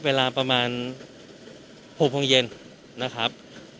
เวลาประมาณ๖โมงเย็นนะครับ